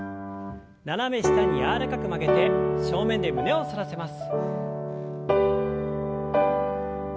斜め下に柔らかく曲げて正面で胸を反らせます。